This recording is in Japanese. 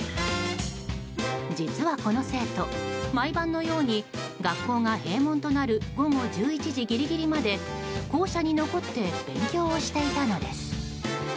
実はこの生徒、毎晩のように学校が閉門となる午後１１時ギリギリまで校舎に残って勉強をしていたのです。